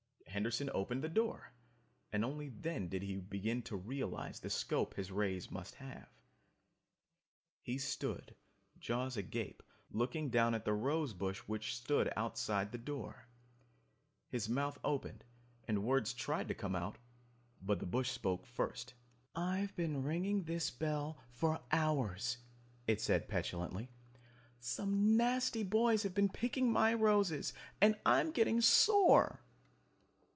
Henderson opened the door, and only then did he begin to realize the scope his rays must have! He stood, jaws agape, looking down at the rose bush which stood outside the door. His mouth opened and words tried to come out. But the bush spoke first. "I've been ringing this bell for hours," it said petulantly. "Some nasty boys have been picking my roses and I'm getting sore!"